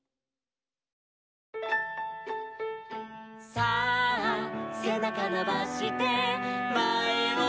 「さあせなかのばしてまえをむいて」